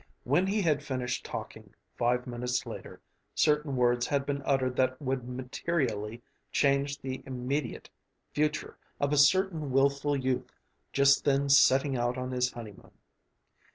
When he had finished talking five minutes later, certain words had been uttered that would materially change the immediate future of a certain willful youth just then setting out on his honeymoon.